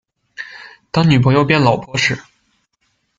當女朋友變老婆時